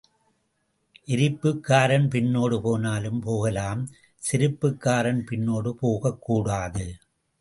எரிப்புக்காரன் பின்னோடு போனாலும் போகலாம் செருப்புக்காரன் பின்னோடு போகக் கூடாது.